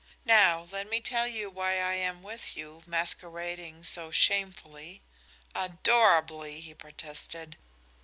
Now, let me tell you why I am with you, masquerading so shamefully " "Adorably!" he protested.